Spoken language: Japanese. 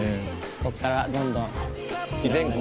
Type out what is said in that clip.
ここからどんどん・・全国・